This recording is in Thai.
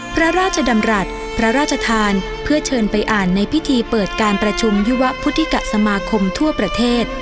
พระราชดำรัฐพระราชทานเพื่อเชิญไปอ่านในพิธีเปิดการประชุมวิวพุทธิกษสมาคมทั่วประเทศ